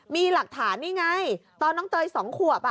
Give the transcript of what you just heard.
มีหลักฐานนี่ไงตอนน้องเตย๒ขวบ